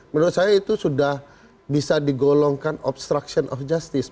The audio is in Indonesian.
menurut saya itu sudah bisa digolongkan obstruction of justice